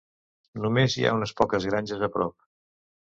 Només hi ha unes poques granges a prop.